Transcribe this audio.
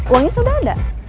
uangnya sudah ada